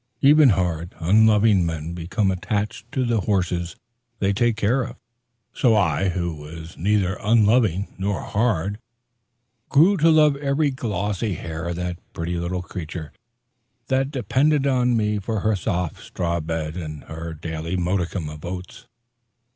Even hard, unloving men become attached to the horses they take care of; so I, who was neither unloving nor hard, grew to love every glossy hair of the pretty little creature that depended on me for her soft straw bed and her daily modicum of oats.